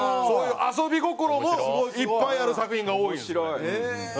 そういう遊び心もいっぱいある作品が多いですね。